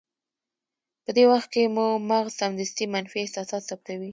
په دې وخت کې مو مغز سمدستي منفي احساسات ثبتوي.